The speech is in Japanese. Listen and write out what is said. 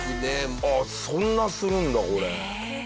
ああそんなするんだこれ。